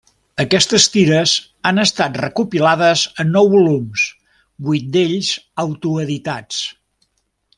Aquestes tires han estat recopilades en nou volums, vuit d'ells autoeditats.